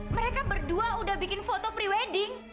mereka berdua udah bikin foto pre wedding